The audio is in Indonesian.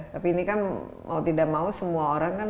tapi ini kan mau tidak mau semua orang kan harus berpengalaman